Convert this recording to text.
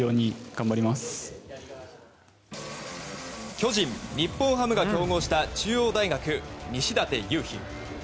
巨人、日本ハムが競合した中央大学、西舘勇陽。